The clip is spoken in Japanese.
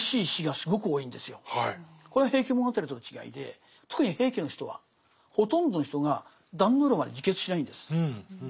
これは「平家物語」との違いで特に平家の人はほとんどの人が壇ノ浦まで自決しないんです。